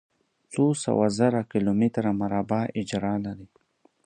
څو سوه زره کلومتره مربع اېجره لري.